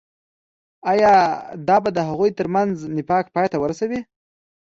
آيا دا به د هغوي تر منځ نفاق پاي ته ورسوي.